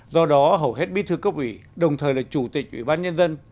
do đó hầu hết bí thư cấp ủy đồng thời là chủ tịch ủy ban nhân dân